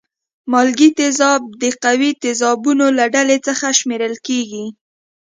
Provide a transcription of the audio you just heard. مالګې تیزاب د قوي تیزابونو له ډلې څخه شمیرل کیږي.